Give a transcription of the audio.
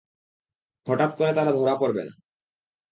হঠাৎ করে তারা ধরা পড়বে না।